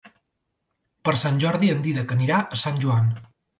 Per Sant Jordi en Dídac anirà a Sant Joan.